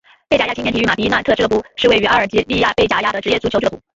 贝贾亚青年体育马迪纳特俱乐部是位于阿尔及利亚贝贾亚的职业足球俱乐部。